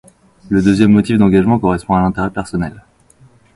Le deuxième motif d’engagement correspond à l’intérêt personnel.